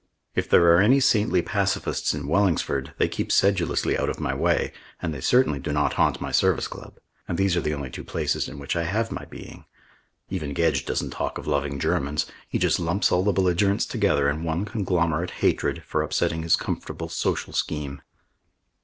If there are any saintly pacifists in Wellingsford, they keep sedulously out of my way, and they certainly do not haunt my Service Club. And these are the only two places in which I have my being. Even Gedge doesn't talk of loving Germans. He just lumps all the belligerents together in one conglomerate hatred, for upsetting his comfortable social scheme.